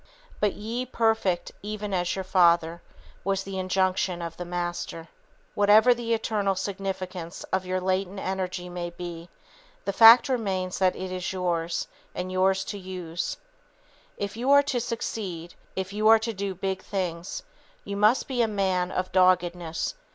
"Be ye perfect, even as your Father," was the injunction of the Master. Whatever the eternal significance of your latent energy may be, the fact remains that it is yours, and yours to use. If you are to succeed, if you are to do big things, you must be a man of "doggedness."